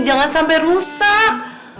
jangan sampai rusak